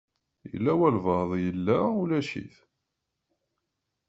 Yella walebɛaḍ yella, ulac-it.